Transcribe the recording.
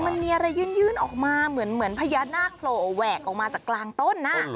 มันมีอะไรยื่นออกมาเหมือนพญานาคโผล่แหวกออกมาจากกลางต้น